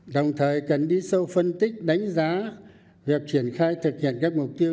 đồng thời cần đi sâu phân tích đánh giá việc triển khai thực hiện các mục tiêu